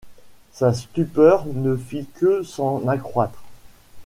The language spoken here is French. Sa stupeur ne fit que s’en accroître.